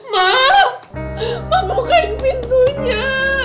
ma ma bukain pintunya